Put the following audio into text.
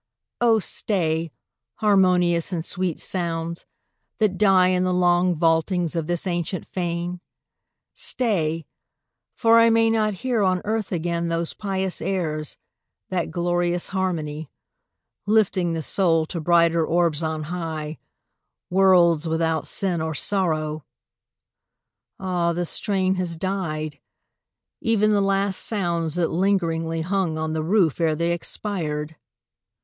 Oh, stay, harmonious and sweet sounds, that die In the long vaultings of this ancient fane! Stay, for I may not hear on earth again Those pious airs that glorious harmony; Lifting the soul to brighter orbs on high, Worlds without sin or sorrow! Ah, the strain Has died ev'n the last sounds that lingeringly Hung on the roof ere they expired!